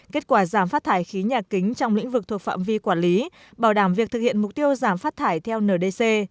kết quả giảm phát thải khí nhà kính trong lĩnh vực thuộc phạm vi quản lý bảo đảm việc thực hiện mục tiêu giảm phát thải theo ndc